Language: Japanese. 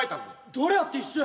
誰やって一緒や。